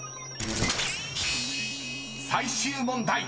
［最終問題］